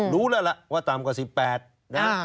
รู้แล้วล่ะว่าต่ำกว่า๑๘นะ